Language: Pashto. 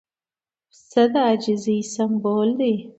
پسه د عاجزۍ سمبول دی.